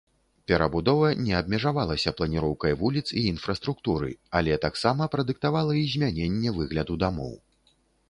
Перабудова не абмежавалася планіроўкай вуліц і інфраструктуры, але таксама прадыктавала і змяненне выгляду дамоў.